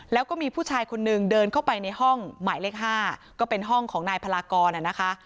แล้วก็มีผู้ชายคนนึงเดินเข้าไปในห้องหมายเลข๕ก็เป็นห้องของนายพลากรนะคะ